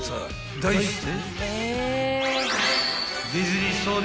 ［題して］